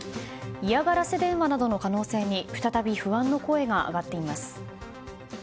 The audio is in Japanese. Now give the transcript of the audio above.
嫌がらせ電話などの可能性に再び不安の声が上がっています。